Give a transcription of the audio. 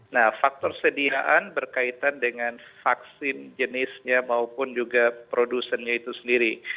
nah faktor sediaan berkaitan dengan vaksin jenisnya maupun juga produsennya itu sendiri